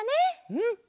うん。